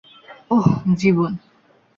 ওহ, জীবন।